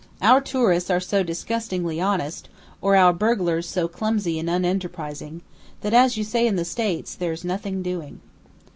Our tourists are so disgustingly honest, or our burglars so clumsy and unenterprising, that, as you say in the States, 'there's nothing doing.'"